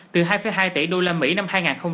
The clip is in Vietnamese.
từ hai hai tỷ usd năm hai nghìn một mươi ba